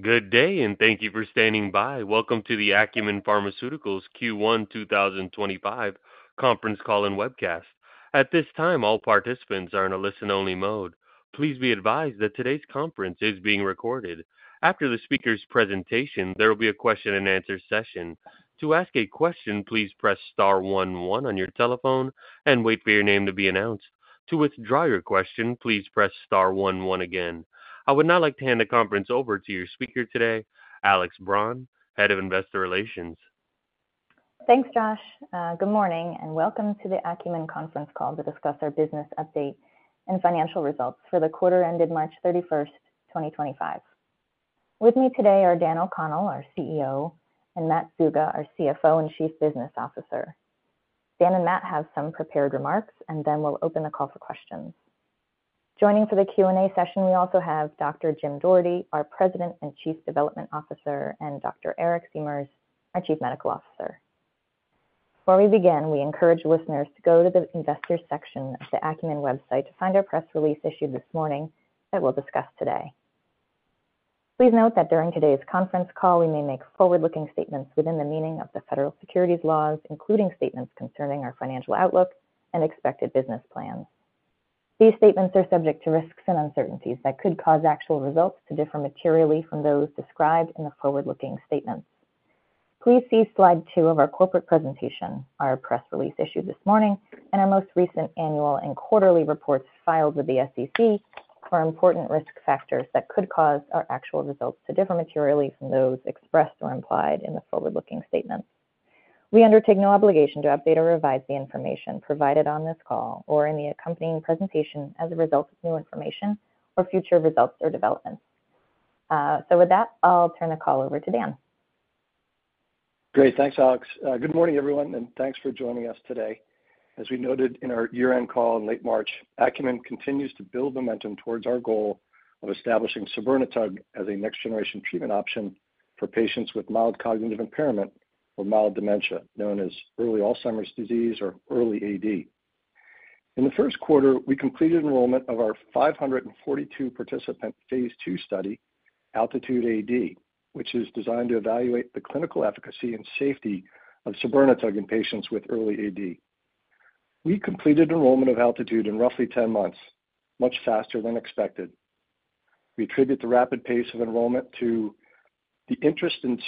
Good day, and thank you for standing by. Welcome to the Acumen Pharmaceuticals Q1 2025 Conference Call and Webcast. At this time, all participants are in a listen-only mode. Please be advised that today's conference is being recorded. After the speaker's presentation, there will be a question-and-answer session. To ask a question, please press star one, one on your telephone and wait for your name to be announced. To withdraw your question, please press star one, one again. I would now like to hand the conference over to your speaker today, Alex Braun, Head of Investor Relations. Thanks, Josh. Good morning, and welcome to the Acumen conference call to discuss our business update and financial results for the quarter ended March 31st, 2025. With me today are Daniel O'Connell, our CEO, and Matt Zuga, our CFO and Chief Business Officer. Dan and Matt have some prepared remarks, and then we'll open the call for questions. Joining for the Q&A session, we also have Dr. Jim Doherty, our President and Chief Development Officer, and Dr. Eric Siemers, our Chief Medical Officer. Before we begin, we encourage listeners to go to the investor section of the Acumen website to find our press release issued this morning that we'll discuss today. Please note that during today's conference call, we may make forward-looking statements within the meaning of the federal securities laws, including statements concerning our financial outlook and expected business plans. These statements are subject to risks and uncertainties that could cause actual results to differ materially from those described in the forward-looking statements. Please see slide two of our corporate presentation, our press release issued this morning, and our most recent annual and quarterly reports filed with the SEC for important risk factors that could cause our actual results to differ materially from those expressed or implied in the forward-looking statements. We undertake no obligation to update or revise the information provided on this call or in the accompanying presentation as a result of new information or future results or developments. With that, I'll turn the call over to Dan. Great. Thanks, Alex. Good morning, everyone, and thanks for joining us today. As we noted in our year-end call in late March, Acumen continues to build momentum towards our goal of establishing sabirnetug as a next-generation treatment option for patients with mild cognitive impairment or mild dementia, known as early Alzheimer's Disease or early AD. In the first quarter, we completed enrollment of our 542-participant phase II study, ALTITUDE-AD, which is designed to evaluate the clinical efficacy and safety of sabirnetug in patients with early AD. We completed enrollment of ALTITUDE in roughly 10 months, much faster than expected. We attribute the rapid pace of enrollment to the interest in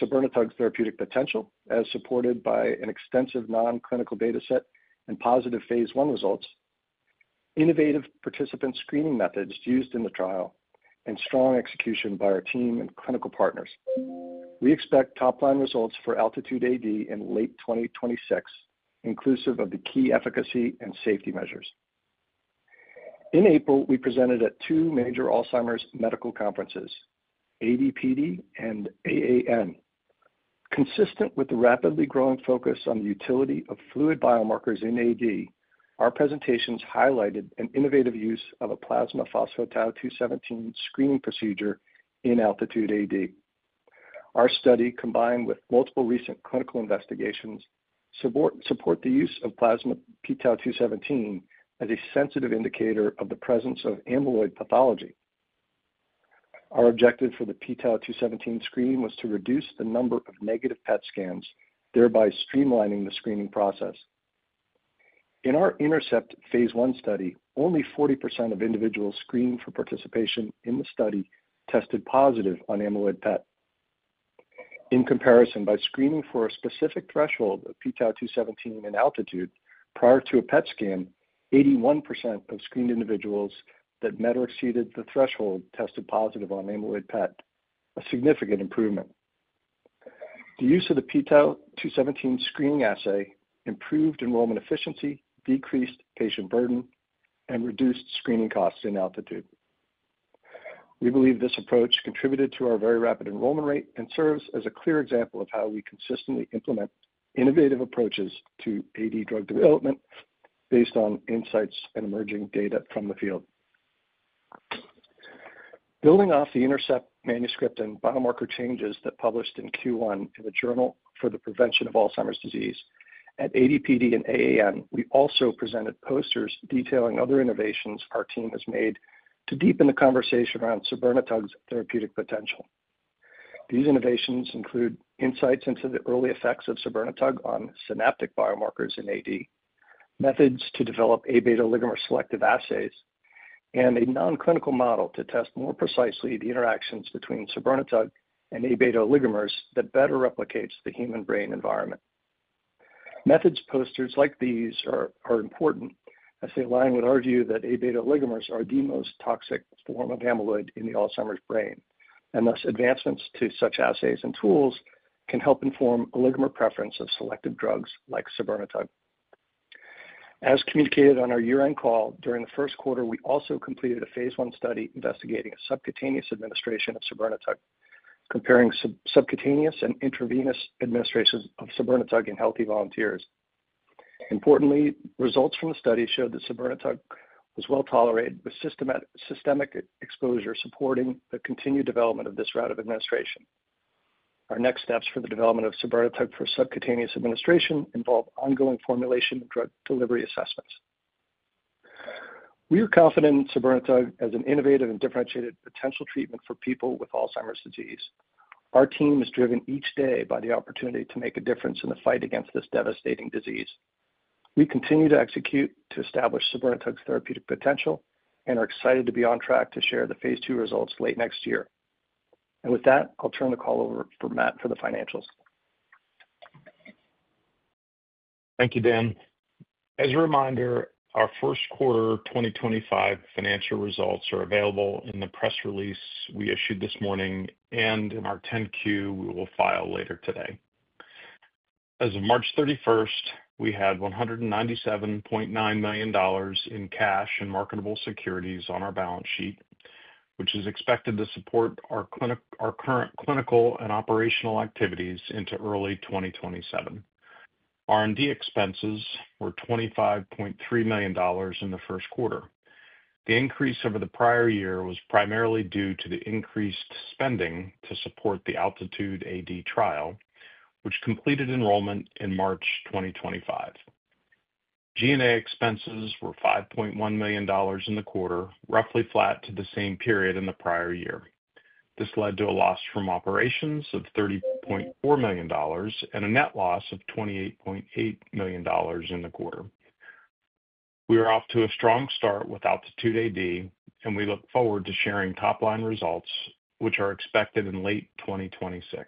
sabirnetug's therapeutic potential, as supported by an extensive non-clinical data set and positive phase I results, innovative participant screening methods used in the trial, and strong execution by our team and clinical partners. We expect top-line results for ALTITUDE-AD in late 2026, inclusive of the key efficacy and safety measures. In April, we presented at two major Alzheimer's medical conferences, ADPD and AAN. Consistent with the rapidly growing focus on the utility of fluid biomarkers in AD, our presentations highlighted an innovative use of a plasma pTau217 screening procedure in ALTITUDE-AD. Our study, combined with multiple recent clinical investigations, supports the use of plasma pTau217 as a sensitive indicator of the presence of amyloid pathology. Our objective for the pTau217 screen was to reduce the number of negative PET scans, thereby streamlining the screening process. In our INTERCEPT-AD phase I study, only 40% of individuals screened for participation in the study tested positive on amyloid PET. In comparison, by screening for a specific threshold of pTau217 in ALTITUDE prior to a PET scan, 81% of screened individuals that met or exceeded the threshold tested positive on amyloid PET, a significant improvement. The use of the pTau217 screening assay improved enrollment efficiency, decreased patient burden, and reduced screening costs in ALTITUDE. We believe this approach contributed to our very rapid enrollment rate and serves as a clear example of how we consistently implement innovative approaches to AD drug development based on insights and emerging data from the field. Building off the INTERCEPT-AD manuscript and biomarker changes that published in Q1 in the Journal for the Prevention of Alzheimer's Disease, at ADPD and AAN, we also presented posters detailing other innovations our team has made to deepen the conversation around sabirnetug's therapeutic potential. These innovations include insights into the early effects of sabirnetug on synaptic biomarkers in AD, methods to develop amyloid beta oligomer selective assays, and a non-clinical model to test more precisely the interactions between sabirnetug and amyloid beta oligomer that better replicates the human brain environment. Methods posters like these are important as they align with our view that amyloid beta oligomers are the most toxic form of amyloid in the Alzheimer's brain, and thus advancements to such assays and tools can help inform oligomer preference of selective drugs like sabirnetug. As communicated on our year-end call, during the first quarter, we also completed a phase I study investigating subcutaneous administration of sabirnetug, comparing subcutaneous and intravenous administrations of sabirnetug in healthy volunteers. Importantly, results from the study showed that sabirnetug was well tolerated with systemic exposure, supporting the continued development of this route of administration. Our next steps for the development of sabirnetug for subcutaneous administration involve ongoing formulation and drug delivery assessments. We are confident in sabirnetug as an innovative and differentiated potential treatment for people with Alzheimer's disease. Our team is driven each day by the opportunity to make a difference in the fight against this devastating disease. We continue to execute to establish sabirnetug's therapeutic potential and are excited to be on track to share the phase II results late next year. With that, I'll turn the call over to Matt for the financials. Thank you, Dan. As a reminder, our first quarter 2025 financial results are available in the press release we issued this morning and in our 10-Q we will file later today. As of March 31st, we had $197.9 million in cash and marketable securities on our balance sheet, which is expected to support our current clinical and operational activities into early 2027. R&D expenses were $25.3 million in the first quarter. The increase over the prior year was primarily due to the increased spending to support the ALTITUDE-AD trial, which completed enrollment in March 2025. G&A expenses were $5.1 million in the quarter, roughly flat to the same period in the prior year. This led to a loss from operations of $30.4 million and a net loss of $28.8 million in the quarter. We are off to a strong start with ALTITUDE-AD, and we look forward to sharing top-line results, which are expected in late 2026.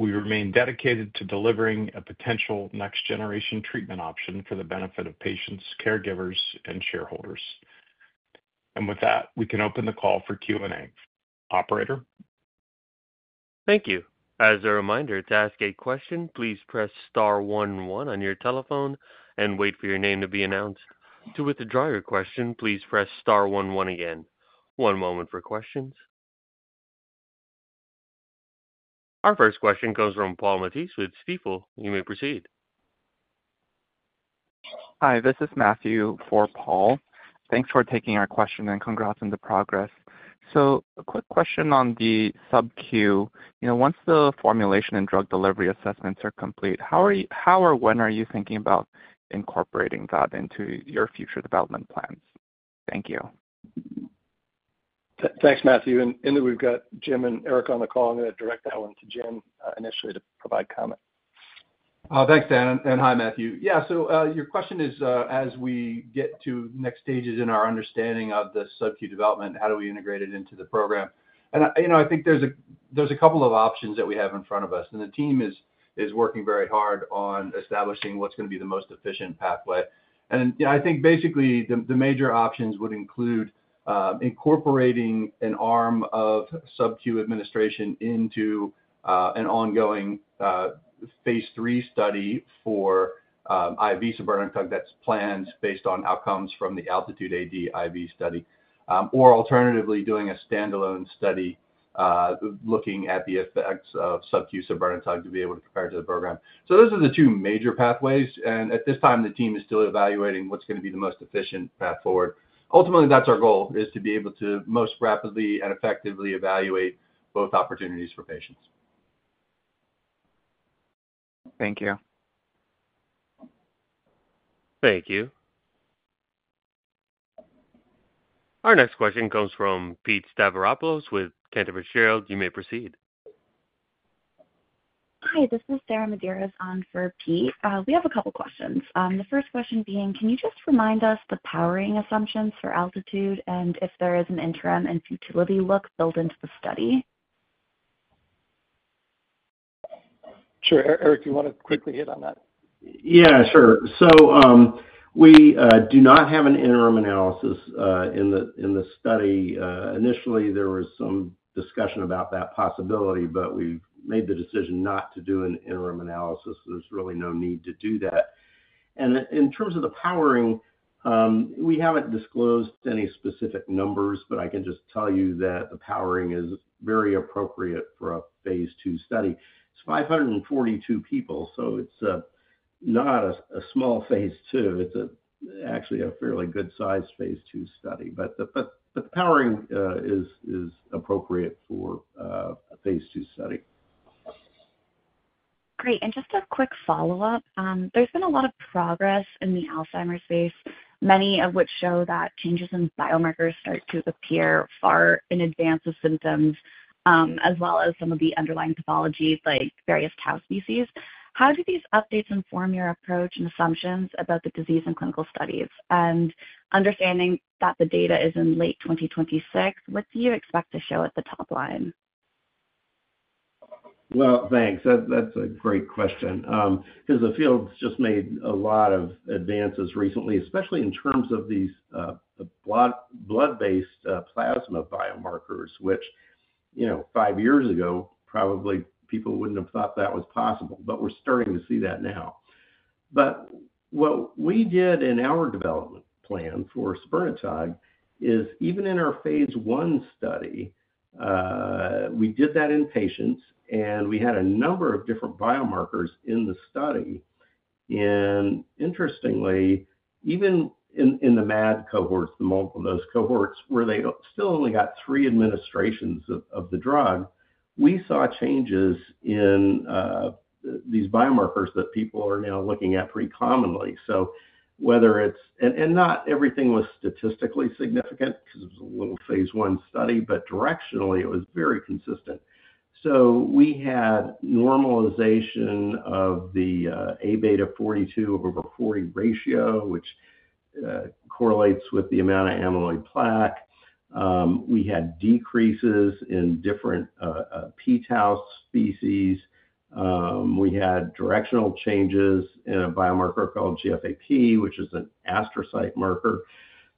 We remain dedicated to delivering a potential next-generation treatment option for the benefit of patients, caregivers, and shareholders. With that, we can open the call for Q&A. Operator. Thank you. As a reminder, to ask a question, please press star one, one on your telephone and wait for your name to be announced. To withdraw your question, please press star one, one again. One moment for questions. Our first question comes from Paul Matteis with Stifel. You may proceed. Hi, this is Matthew for Paul. Thanks for taking our question and congrats on the progress. A quick question on the subcu. Once the formulation and drug delivery assessments are complete, how or when are you thinking about incorporating that into your future development plans? Thank you. Thanks, Matthew. We've got Jim and Eric on the call. I'm going to direct that one to Jim initially to provide comment. Thanks, Dan. Hi, Matthew. Yeah, your question is, as we get to next stages in our understanding of the subcu development, how do we integrate it into the program? I think there's a couple of options that we have in front of us, and the team is working very hard on establishing what's going to be the most efficient pathway. I think basically the major options would include incorporating an arm of subcu administration into an ongoing phase III study for IV sabirnetug that's planned based on outcomes from the ALTITUDE-AD IV study, or alternatively doing a standalone study looking at the effects of subcu sabirnetug to be able to compare to the program. Those are the two major pathways. At this time, the team is still evaluating what's going to be the most efficient path forward. Ultimately, that's our goal, is to be able to most rapidly and effectively evaluate both opportunities for patients. Thank you. Thank you. Our next question comes from Pete Stavropulos with Cantor Fitzgerald. You may proceed. Hi, this is Sarah Medeiros on for Pete. We have a couple of questions. The first question being, can you just remind us the powering assumptions for ALTITUDE and if there is an interim and utility look built into the study? Sure. Eric, do you want to quickly hit on that? Yeah, sure. We do not have an interim analysis in the study. Initially, there was some discussion about that possibility, but we've made the decision not to do an interim analysis. There's really no need to do that. In terms of the powering, we haven't disclosed any specific numbers, but I can just tell you that the powering is very appropriate for a phase II study. It's 542 people, so it's not a small phase II. It's actually a fairly good-sized phase II study. The powering is appropriate for a phase II study. Great. And just a quick follow-up. There's been a lot of progress in the Alzheimer's space, many of which show that changes in biomarkers start to appear far in advance of symptoms, as well as some of the underlying pathology like various tau species. How do these updates inform your approach and assumptions about the disease and clinical studies? Understanding that the data is in late 2026, what do you expect to show at the top line? Well, thanks. That's a great question. Because the field's just made a lot of advances recently, especially in terms of these blood-based plasma biomarkers, which five years ago, probably people wouldn't have thought that was possible, but we're starting to see that now. What we did in our development plan for sabirnetug is even in our phase I study, we did that in patients, and we had a number of different biomarkers in the study. Interestingly, even in the MAD cohorts, the multiple dose cohorts, where they still only got three administrations of the drug, we saw changes in these biomarkers that people are now looking at pretty commonly. Whether it's, and not everything was statistically significant because it was a little phase I study, but directionally, it was very consistent. We had normalization of the A-beta 42 over 40 ratio, which correlates with the amount of amyloid plaque. We had decreases in different pTau species. We had directional changes in a biomarker called GFAP, which is an astrocyte marker.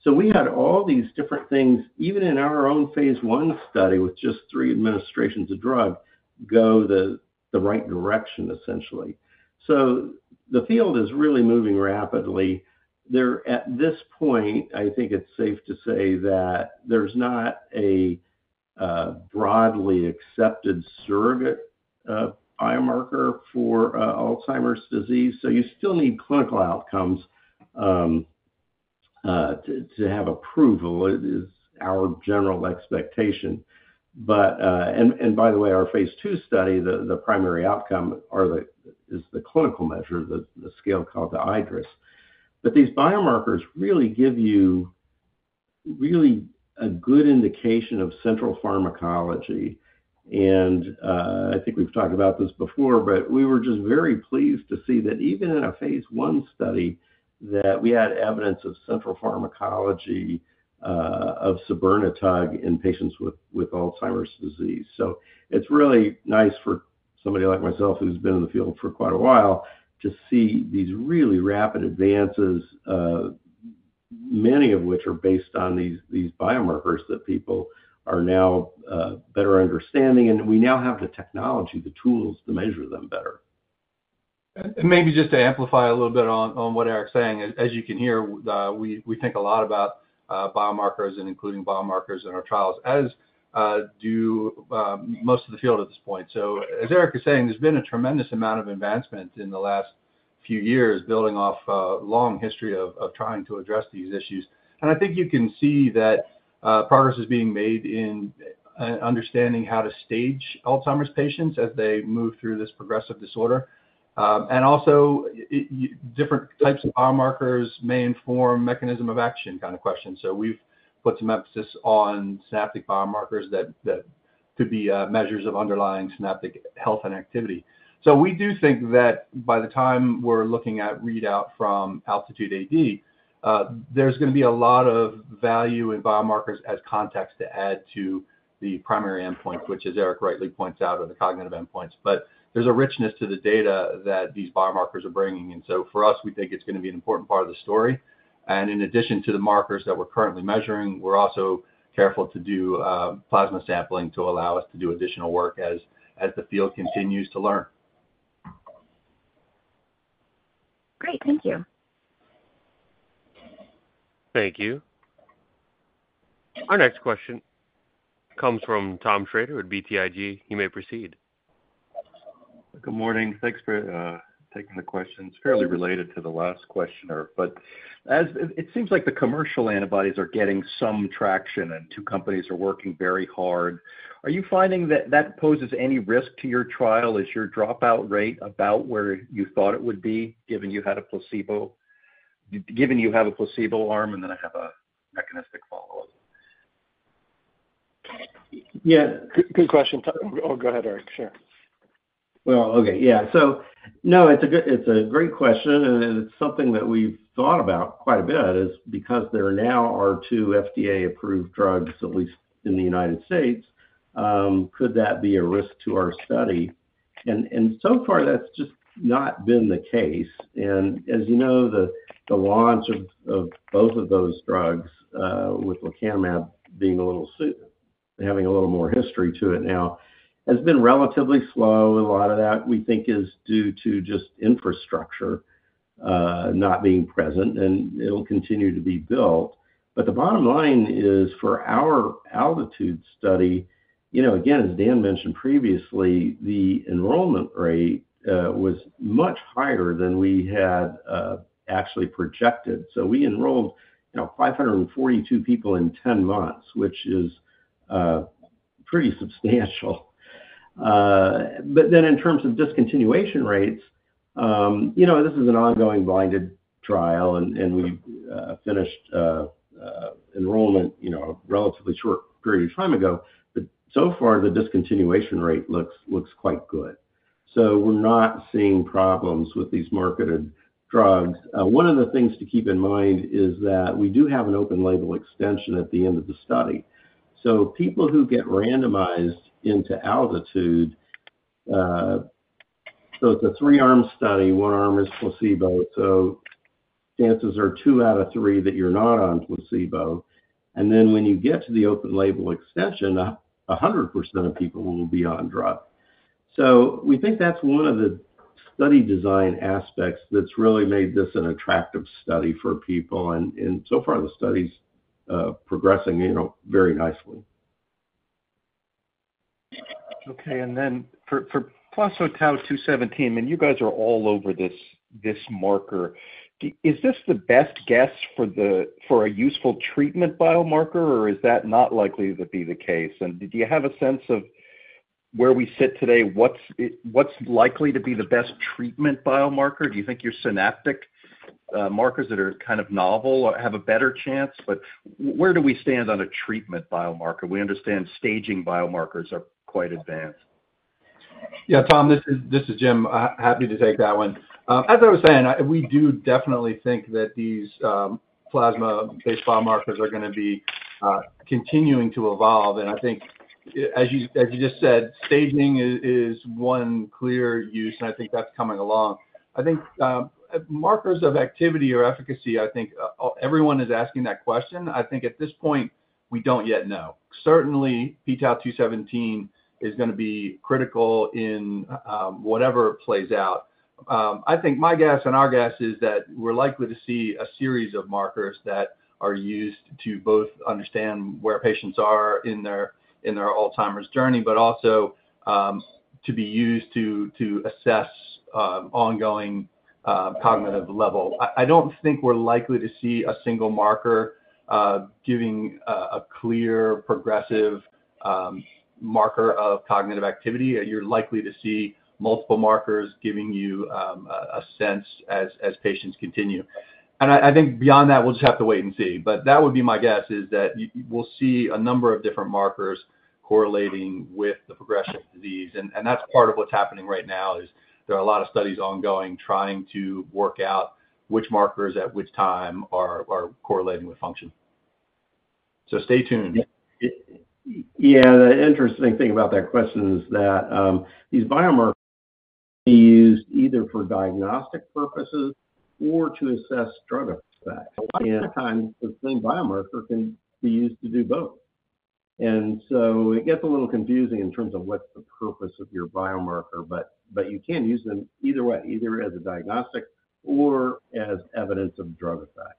We had all these different things, even in our own phase I study with just three administrations of drug, go the right direction, essentially. The field is really moving rapidly. At this point, I think it's safe to say that there's not a broadly accepted surrogate biomarker for Alzheimer's disease. You still need clinical outcomes to have approval. It is our general expectation. By the way, our phase II study, the primary outcome is the clinical measure, the scale called the iADRS. These biomarkers really give you really a good indication of central pharmacology. I think we've talked about this before, but we were just very pleased to see that even in a phase I study, that we had evidence of central pharmacology of sabirnetug in patients with Alzheimer's disease. It is really nice for somebody like myself who's been in the field for quite a while to see these really rapid advances, many of which are based on these biomarkers that people are now better understanding. We now have the technology, the tools to measure them better. Maybe just to amplify a little bit on what Eric's saying, as you can hear, we think a lot about biomarkers and including biomarkers in our trials, as do most of the field at this point. As Eric is saying, there's been a tremendous amount of advancement in the last few years building off a long history of trying to address these issues. I think you can see that progress is being made in understanding how to stage Alzheimer's patients as they move through this progressive disorder. Also, different types of biomarkers may inform mechanism of action kind of questions. We've put some emphasis on synaptic biomarkers that could be measures of underlying synaptic health and activity. We do think that by the time we're looking at readout from ALTITUDE-AD, there's going to be a lot of value in biomarkers as context to add to the primary endpoints, which, as Eric rightly points out, are the cognitive endpoints. There's a richness to the data that these biomarkers are bringing. For us, we think it's going to be an important part of the story. In addition to the markers that we're currently measuring, we're also careful to do plasma sampling to allow us to do additional work as the field continues to learn. Great. Thank you. Thank you. Our next question comes from Tom Shrader with BTIG. You may proceed. Good morning. Thanks for taking the question. It's fairly related to the last questioner. It seems like the commercial antibodies are getting some traction, and two companies are working very hard. Are you finding that that poses any risk to your trial? Is your dropout rate about where you thought it would be, given you had a placebo, given you have a placebo arm and then have a mechanistic follow-up? Yeah. Good question. Oh, go ahead, Eric. Sure. Okay. Yeah. No, it's a great question. It's something that we've thought about quite a bit because there now are two FDA-approved drugs, at least in the United States. Could that be a risk to our study? So far, that's just not been the case. As you know, the launch of both of those drugs, with lecanemab having a little more history to it now, has been relatively slow. A lot of that, we think, is due to just infrastructure not being present, and it'll continue to be built. The bottom line is for our ALTITUDE study, again, as Dan mentioned previously, the enrollment rate was much higher than we had actually projected. We enrolled 542 people in 10 months, which is pretty substantial. In terms of discontinuation rates, this is an ongoing blinded trial, and we finished enrollment a relatively short period of time ago. So far, the discontinuation rate looks quite good. We're not seeing problems with these marketed drugs. One of the things to keep in mind is that we do have an open label extension at the end of the study. People who get randomized into ALTITUDE, it's a three-arm study, one arm is placebo. Chances are two out of three that you're not on placebo. When you get to the open label extension, 100% of people will be on drug. We think that's one of the study design aspects that's really made this an attractive study for people. So far, the study's progressing very nicely. Okay. For plasma pTau217, I mean, you guys are all over this marker. Is this the best guess for a useful treatment biomarker, or is that not likely to be the case? Do you have a sense of where we sit today? What's likely to be the best treatment biomarker? Do you think your synaptic markers that are kind of novel have a better chance? Where do we stand on a treatment biomarker? We understand staging biomarkers are quite advanced. Yeah, Tom, this is Jim. Happy to take that one. As I was saying, we do definitely think that these plasma-based biomarkers are going to be continuing to evolve. I think, as you just said, staging is one clear use, and I think that is coming along. I think markers of activity or efficacy, I think everyone is asking that question. I think at this point, we do not yet know. Certainly, pTau217 is going to be critical in whatever plays out. I think my guess and our guess is that we are likely to see a series of markers that are used to both understand where patients are in their Alzheimer's journey, but also to be used to assess ongoing cognitive level. I do not think we are likely to see a single marker giving a clear progressive marker of cognitive activity. You're likely to see multiple markers giving you a sense as patients continue. I think beyond that, we'll just have to wait and see. That would be my guess, is that we'll see a number of different markers correlating with the progression of disease. That's part of what's happening right now, is there are a lot of studies ongoing trying to work out which markers at which time are correlating with function. Stay tuned. Yeah. The interesting thing about that question is that these biomarkers can be used either for diagnostic purposes or to assess drug effects. At times, the same biomarker can be used to do both. It gets a little confusing in terms of what's the purpose of your biomarker, but you can use them either way, either as a diagnostic or as evidence of drug effect.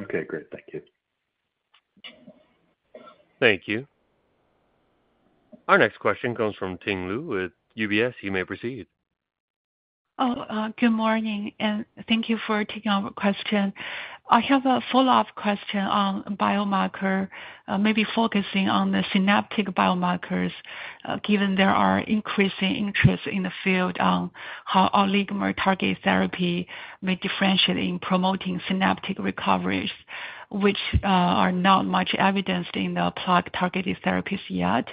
Okay. Great. Thank you. Thank you. Our next question comes from Ting Lu with UBS. You may proceed. Oh, good morning. Thank you for taking our question. I have a follow-up question on biomarker, maybe focusing on the synaptic biomarkers, given there are increasing interest in the field on how oligomer targeted therapy may differentiate in promoting synaptic recoveries, which are not much evidenced in the PLK targeted therapies yet.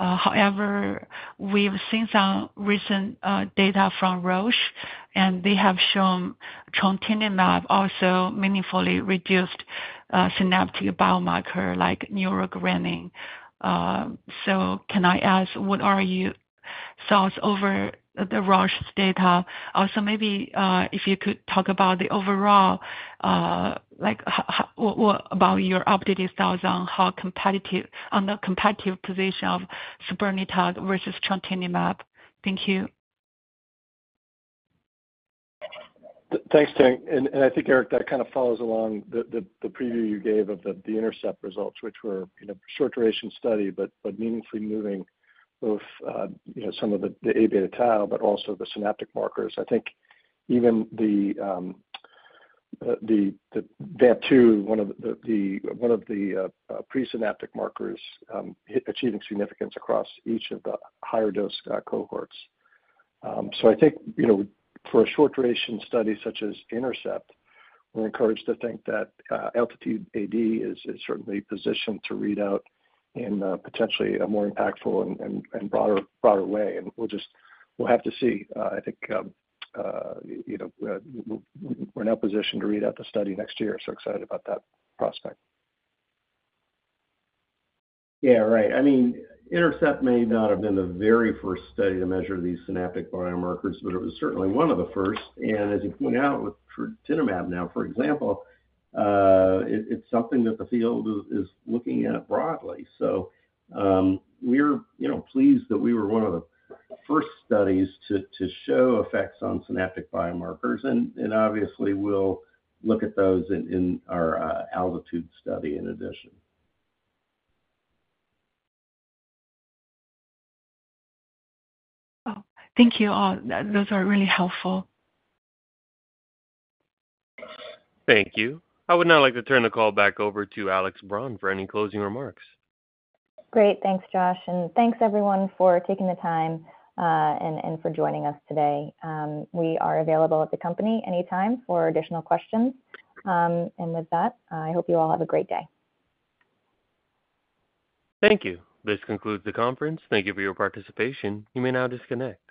However, we've seen some recent data from Roche, and they have shown trontinemab also meaningfully reduced synaptic biomarker like neurogranin. So can I ask, what are your thoughts over the Roche data? Also, maybe if you could talk about the overall, about your updated thoughts on how competitive on the competitive position of sabirnetug versus trontinemab. Thank you. Thanks, Tim. I think, Eric, that kind of follows along the preview you gave of the INTERCEPT-AD results, which were a short duration study, but meaningfully moving both some of the amyloid beta tau, but also the synaptic markers. I think even the VAMP2, one of the presynaptic markers, achieving significance across each of the higher dose cohorts. I think for a short duration study such as INTERCEPT-AD, we're encouraged to think that ALTITUDE-AD is certainly positioned to read out in potentially a more impactful and broader way. We'll have to see. I think we're now positioned to read out the study next year. Excited about that prospect. Yeah, right. I mean, INTERCEPT-AD may not have been the very first study to measure these synaptic biomarkers, but it was certainly one of the first. And as you point out, with trontinemab now, for example, it's something that the field is looking at broadly. So we're pleased that we were one of the first studies to show effects on synaptic biomarkers. And obviously, we'll look at those in our ALTITUDE-AD study in addition. Oh, thank you all. Those are really helpful. Thank you. I would now like to turn the call back over to Alex Braun for any closing remarks. Great. Thanks, Josh. Thanks, everyone, for taking the time and for joining us today. We are available at the company anytime for additional questions. With that, I hope you all have a great day. Thank you. This concludes the conference. Thank you for your participation. You may now disconnect.